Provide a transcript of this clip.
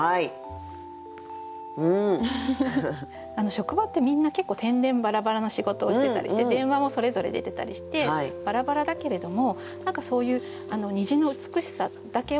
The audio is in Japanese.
職場ってみんな結構てんでんばらばらな仕事をしてたりして電話もそれぞれ出てたりしてばらばらだけれども何かそういう虹の美しさだけはみんなで共有してる。